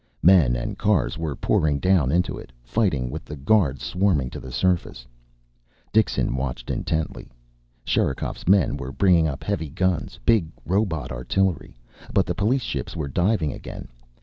Men and cars were pouring down into it, fighting with the guards swarming to the surface. Dixon watched intently. Sherikov's men were bringing up heavy guns, big robot artillery. But the police ships were diving again.